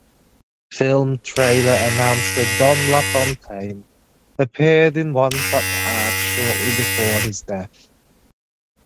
Film trailer announcer Don LaFontaine appeared in one such ad, shortly before his death.